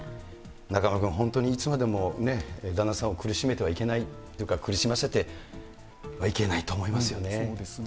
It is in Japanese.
中丸君、本当にいつまでもね、旦那さんを苦しめてはいけない、苦しませてはいけないと思いますよね。